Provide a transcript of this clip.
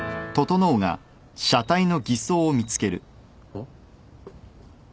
あっ。